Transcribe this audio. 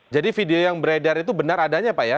jadi video yang beredar itu benar adanya pak ya